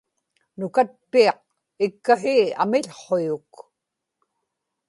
nukatpiaq ikkahii amił̣huyuk